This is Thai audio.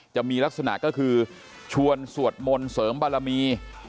จะมีลักษณะก็คือชวนสวดมนต์เสริมบารมี